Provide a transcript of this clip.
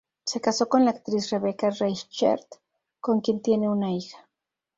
Se casó con la actriz Rebecca Reichert con quien tiene una hija.